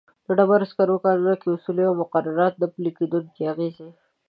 ډبرو سکرو کانونو کې د اصولو او مقرراتو نه پلي کېدلو اغېزې.